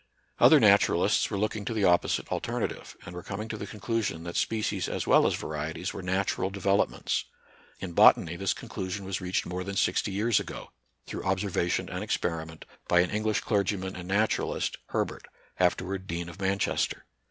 Other naturalists were looking to the opposite alternative, and were coming to the conclusion that species as well as varieties were natural developments. In botany, this conclusion was reached more than sixty years ago, through observation and experiment, by an English clergyman and naturalist, Herbert, afterward Dean of Manchester.